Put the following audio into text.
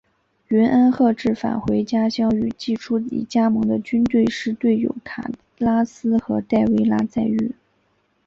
云安贺治返回家乡与季初已加盟的车路士队友卡拉斯和戴维拉再遇。